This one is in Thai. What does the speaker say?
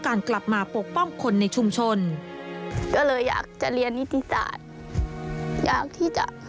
ถ้าตัวเราพอที่จะทำประโยชน์ให้เขาได้